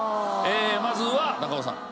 まずは中尾さん。